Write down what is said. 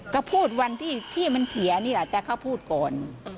ก็พูดวันที่มันเสียนี่แหละแต่เขาพูดก่อน